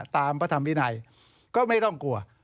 พระธรรมวินัยก็ไม่ต้องกลัว